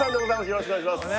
よろしくお願いします